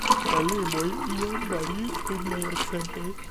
La limoj iom variis dum la jarcentoj.